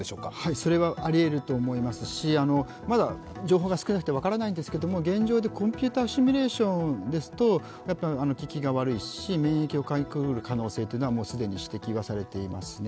それはありえると思いますし、まだ情報が少なくて分からないんですけど現状でコンピュータシミュレーションですと、効きが悪いし、免疫をかいくぐる可能性はもう既に指摘がされていますね。